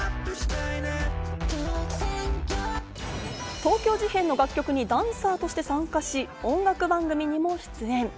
東京事変の楽曲にダンサーとして参加し、音楽番組にも出演。